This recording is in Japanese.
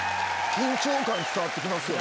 緊張感伝わってきますよね。